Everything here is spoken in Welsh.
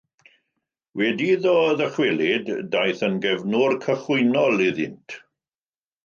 Wedi iddo ddychwelyd, daeth yn gefnwr cychwynnol iddynt.